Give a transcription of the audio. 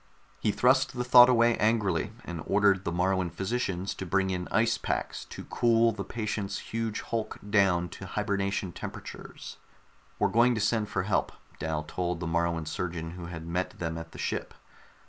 _ He thrust the thought away angrily and ordered the Moruan physicians to bring in ice packs to cool the patient's huge hulk down to hibernation temperatures. "We're going to send for help," Dal told the Moruan surgeon who had met them at the ship.